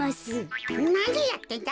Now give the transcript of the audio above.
なにやってんだ？